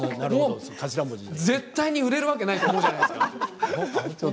絶対に売れるわけないじゃないですか。